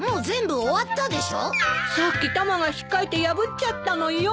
さっきタマが引っかいて破っちゃったのよ。